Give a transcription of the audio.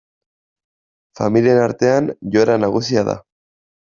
Familien artean joera nagusia da.